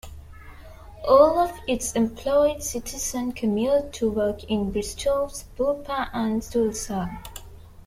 All of its employed citizens commute to work in Bristow Sapulpa and Tulsa.